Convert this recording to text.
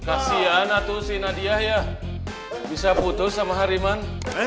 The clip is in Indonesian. kasian atau si nadia ya bisa putus sama hariman